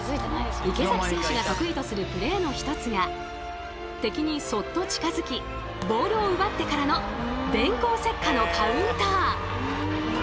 池崎選手が得意とするプレーの一つが敵にそっと近づきボールを奪ってからの電光石火のカウンター！